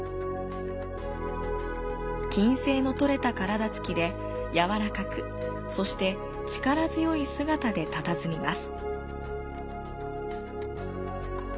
均整のとれた体つきで柔らかく、そして力強い姿でたたずみます。